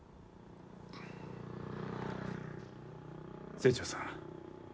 清張さん